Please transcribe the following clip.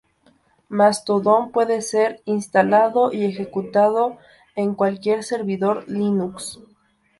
Mastodon puede ser instalado y ejecutado en cualquier servidor Linux.